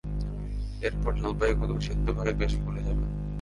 এরপর জলপাইগুলো সেদ্ধ হয়ে বেশ ফুলে যাবে।